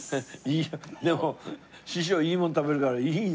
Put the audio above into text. でも師匠いいもの食べるからいいね！